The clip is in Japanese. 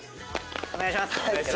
お願いします。